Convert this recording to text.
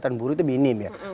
kegiatan buruh itu minim ya